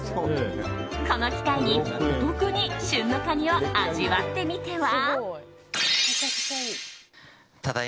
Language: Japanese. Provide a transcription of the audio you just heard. この機会に、お得に旬のカニを味わってみては？